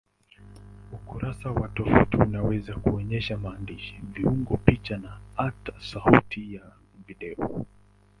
Ukurasa wa tovuti unaweza kuonyesha maandishi, viungo, picha au hata sauti na video.